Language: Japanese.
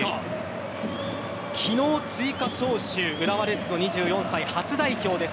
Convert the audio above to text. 昨日、追加招集浦和レッズの２４歳、初代表です。